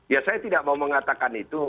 ya saya tidak mau mengatakan itu